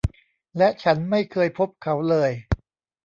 และฉันไม่เคยพบเขาเลย